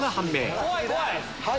怖い、怖い。